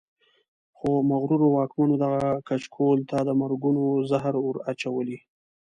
خو مغرورو واکمنو دغه کچکول ته د مرګونو زهر ور اچولي.